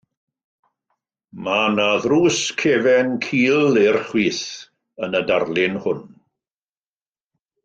Mae yna ddrws cefn cul i'r chwith yn y darlun hwn.